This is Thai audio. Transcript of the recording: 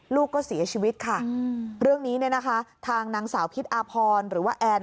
ลูกก็เสียชีวิตค่ะเรื่องนี้เนี่ยนะคะทางนางสาวพิษอาพรหรือว่าแอน